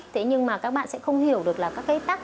thế nhưng mà các bạn sẽ không hiểu được là các cái tắc